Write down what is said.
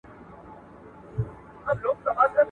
ما پرون په لاره کې یو مشهور لوبغاړی ولید.